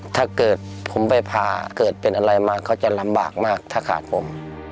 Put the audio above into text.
ถ้าเกิดผมไปผ่าเกิดเป็นอะไรมาก็จะลำบากมากถ้าขาดผม